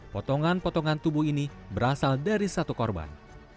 potongan potongan tubuh ini berasal dari satu korban